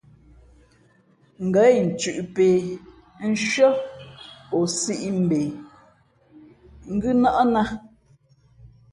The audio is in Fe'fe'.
Ngα̌ incʉ̄ʼ pē nshʉ́ά ,o sīʼ mbe ngʉ́ nάʼ nā.